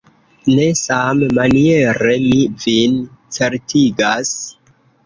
Ne sammaniere, mi vin certigas.